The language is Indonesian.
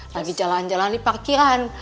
lagi jalan jalan di parkiran